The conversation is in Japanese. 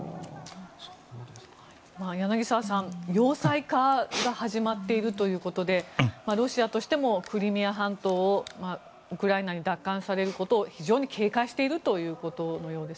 柳澤さん、要塞化が始まっているということでロシアとしてもクリミア半島をウクライナに奪還されることを非常に警戒しているということのようです。